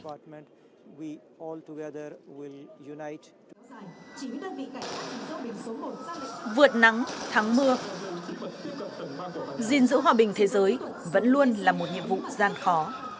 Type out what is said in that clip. vượt nắng thắng mưa gìn giữ hòa bình thế giới vẫn luôn là một nhiệm vụ gian khó